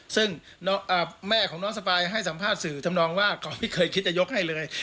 ซึ่งแม่ของน้องสปายให้สัมภาษณ์สื่อทำนองว่าเขาไม่เคยคิดจะยกให้เลย